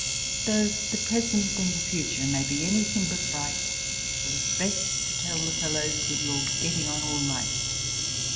Though the present and the future may be anything but bright. It is best to tell the fellows that you're getting on all right.